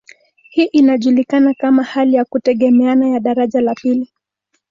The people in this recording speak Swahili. Hii inajulikana kama hali ya kutegemeana ya daraja la pili.